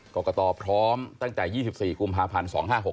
กรกตพร้อมตั้งแต่๒๔กุมภาพันธ์๒๕๖๖